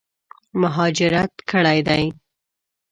مهاجرت کړی دی.